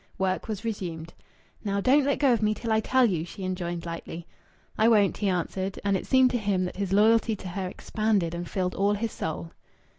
Work was resumed. "Now don't let go of me till I tell you," she enjoined lightly. "I won't," he answered. And it seemed to him that his loyalty to her expanded and filled all his soul.